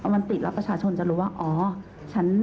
มันติดแล้วประชาชนจะรู้ว่าอ๋อฉัน